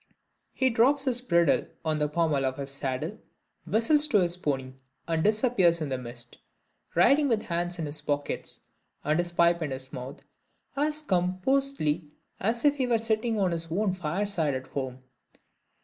He drops his bridle on the pommel of his saddle, whistles to his pony, and disappears in the mist; riding with his hands in his pockets, and his pipe in his mouth, as composedly as if he were sitting by his own fireside at home.